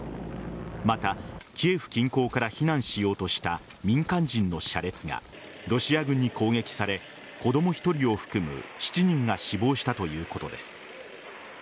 また、キエフ近郊から避難しようとした民間人の車列がロシア軍に攻撃され子供１人を含む７人が死亡したということです。